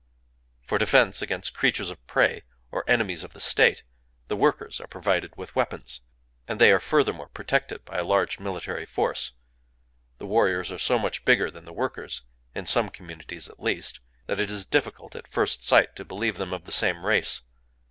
For defense against creatures of prey, or enemies of the state, the workers are provided with weapons; and they are furthermore protected by a large military force. The warriors are so much bigger than the workers (in some communities, at least) that it is difficult, at first sight, to believe them of the same race.